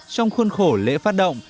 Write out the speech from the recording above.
trong khuôn khổ lễ phát động